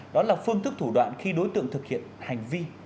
đó là phương thức thủ đoạn khi đối tượng thực hiện hành vi